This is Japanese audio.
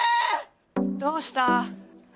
どうした？